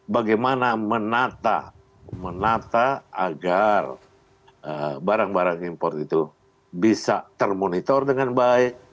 bagaimana menata agar barang barang import itu bisa termonitor dengan baik